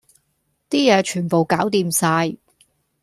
啲嘢全部攪掂晒